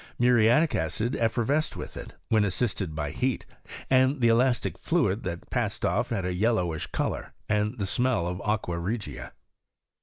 Muriatic acid effervesced with it, when assisted by heat, and the elastic fluid that passed off had a yel lowish colour, and the smell of aqua regia.